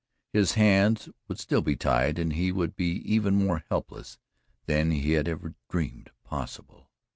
His hands would still be tied and he would be even more helpless than he had ever dreamed possible.